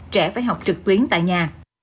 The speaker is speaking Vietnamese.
trẻ phải học trực tuyến tại nhà